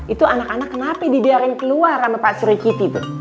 itu anak anak kenapa dibiarin keluar sama pasur kitih tuh